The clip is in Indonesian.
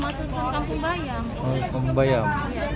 rumah susun kampung bayam